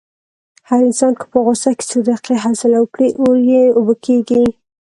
هر انسان که په غوسه کې څو دقیقې حوصله وکړي، اور یې اوبه کېږي.